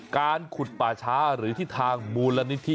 การขุดป่าช้าหรือที่ทางมูลนิธิ